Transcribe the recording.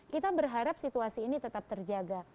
kita berharap situasi ini tetap terjaga